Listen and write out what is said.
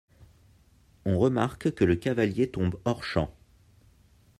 On remarque que le cavalier tombe hors-champ.